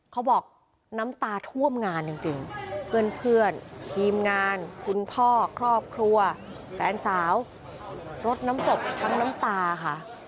เขาบอกน้ำตาท่วมงานจริงเพื่อนทีมงานคุณพ่อครอบครัวแฟนสาวรดน้ำศพทั้งน้ำตาค่ะ